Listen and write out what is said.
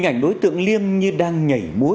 hình ảnh đối tượng liêm như đang nhảy bối